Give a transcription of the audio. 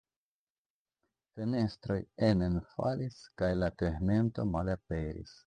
Fenestroj enenfalis kaj la tegmento malaperis.